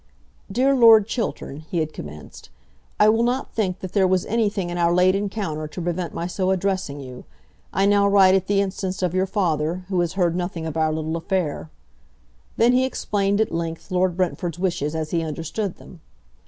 "Dear Lord Chiltern," he had commenced, "I will not think that there was anything in our late encounter to prevent my so addressing you. I now write at the instance of your father, who has heard nothing of our little affair." Then he explained at length Lord Brentford's wishes as he understood them.